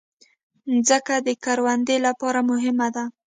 مځکه د کروندې لپاره مهمه ده.